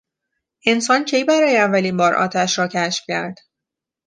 انسان کی برای اولین بار آتش را کشف کرد؟